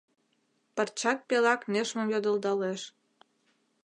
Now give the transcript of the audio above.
Пырчак пелак нӧшмым йодылдалеш.